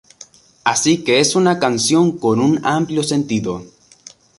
Así que es una canción con un amplio sentido.